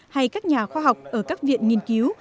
hay các nhà khoa học ở các viện nghiên cứu